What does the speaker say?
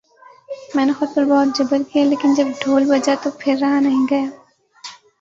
میں نے خود پر بہت جبر کیا لیکن جب ڈھول بجا تو پھر رہا نہیں گیا